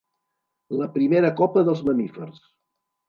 La primera copa dels mamífers.